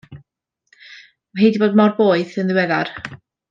Mae hi 'di bod mor boeth yn ddiweddar.